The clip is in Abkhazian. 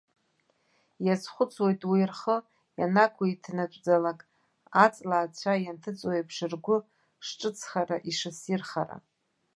Иазхәыцуеит уи рхы ианақәиҭнатәӡалак, аҵла ацәа ианҭыҵуеиԥш, ргәы шҿыцхара, ишыссирхара.